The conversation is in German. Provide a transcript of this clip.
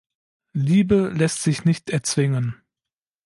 Liebe lässt sich nicht erzwingen.